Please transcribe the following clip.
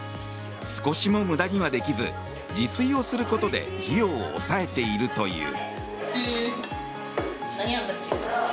少しも無駄にはできず自炊をすることで費用を抑えているという。